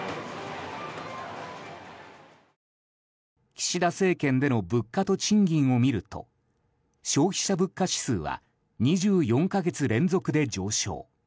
岸田政権での物価と賃金を見ると消費者物価指数は２４か月連続で上昇。